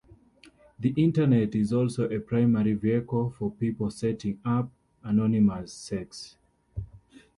The internet is also a primary vehicle for people setting up anonymous sex.